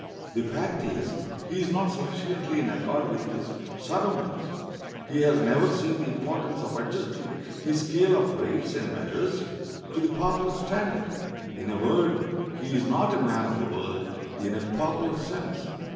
The fact is, he is not sufficiently in accord with his surroundings. He has never seen the importance of adjusting his scale of weights and measures to the popular standard. In a word, he is not a man of the world, in a popular sense.